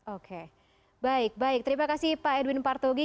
oke baik baik terima kasih pak edwin partogi